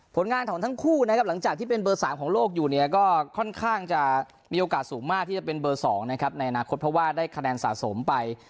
ผลงานของทั้งคู่นะครับหลังจากที่เป็นเบอร์๓ของโลกอยู่เนี่ยก็ค่อนข้างจะมีโอกาสสูงมากที่จะเป็นเบอร์๒นะครับในอนาคตเพราะว่าได้คะแนนสะสมไป